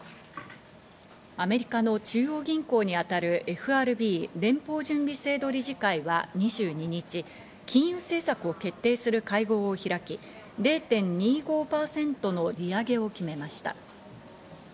アメリカの中央銀行にあたるＦＲＢ＝連邦準備制度理事会は２２日、金融政策を決定する会合を開き、０．２５％の利上げを決めました。